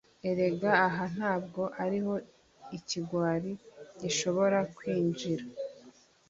erega aha ntabwo ariho ikigwari gishobora kwinjira